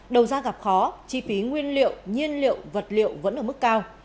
đầu ra gặp khó chi phí nguyên liệu nhiên liệu vật liệu vẫn ở mức cao